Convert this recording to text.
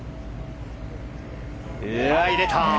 入れた！